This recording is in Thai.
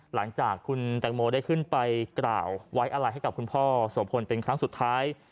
หลังจากคุณแตงโมได้ขึ้นไปกล่าวไว้อะไรให้กับคุณพ่อโสพลเป็นครั้งสุดท้าย